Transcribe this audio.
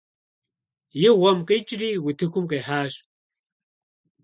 И гъуэм къикӀри утыкум къихьащ.